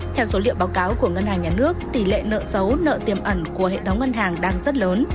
theo số liệu báo cáo của ngân hàng nhà nước tỷ lệ nợ xấu nợ tiềm ẩn của hệ thống ngân hàng đang rất lớn